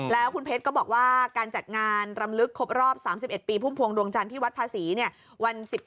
แล้วคุณเพชรก็บอกว่าการจัดงานรำลึกครบรอบ๓๑ปีพุ่มพวงดวงจันทร์ที่วัดภาษีวัน๑๙